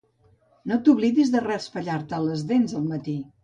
No t'oblidis de raspallar-te les dents al matí.